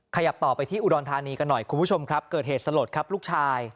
ขยับต่อไปที่อุดรธานีกันหน่อยคุณผู้ชมครับเกิดเหตุสลดครับลูกชาย